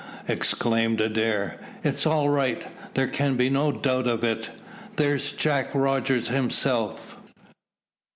exclaimed Adair. "It's all right! there can be no doubt of it! There's Jack Rogers himself."